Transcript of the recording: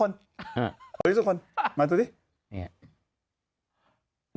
กลัวมาพูดด้วย